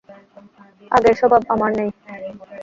ত্যাগের স্বভাব আমার নেই।